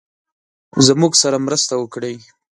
زموږ سره مرسته وکړی.